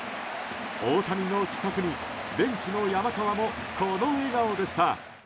大谷の奇策にベンチの山川もこの笑顔でした。